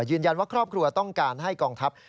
ยืนยันว่าครอบครัวต้องการให้กองทัพ